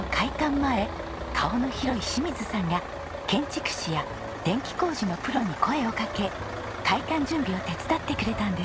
前顔の広い清水さんが建築士や電気工事のプロに声をかけ開館準備を手伝ってくれたんです。